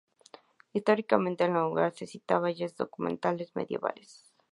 Históricamente el lugar se citaba ya en documentos medievales.